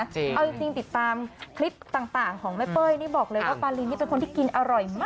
เอาจริงติดตามคลิปต่างของแม่เป้ยนี่บอกเลยว่าปารินนี่เป็นคนที่กินอร่อยมาก